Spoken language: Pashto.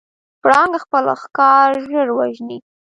پړانګ خپل ښکار ژر وژني.